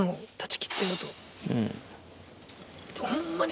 ホンマに。